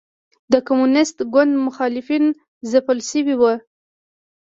د کمونېست ګوند مخالفین ځپل شوي وو.